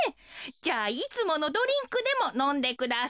じゃあいつものドリンクでものんでください。